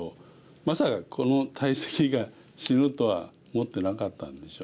まさかこの大石が死ぬとは思ってなかったんでしょうね。